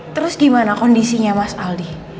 terus gimana kondisinya mas aldi